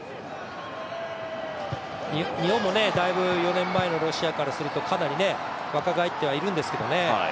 日本もだいぶ、５年前に比べるとかなり若返ってはいるんですけどね。